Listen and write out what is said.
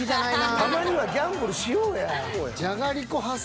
たまにはギャンブルしようや。